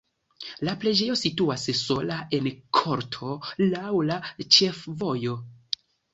La preĝejo situas sola en korto laŭ la ĉefvojo.